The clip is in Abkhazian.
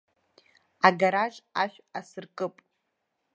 Агараж ашә асыркып.